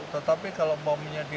tetapi kalau mau menjadi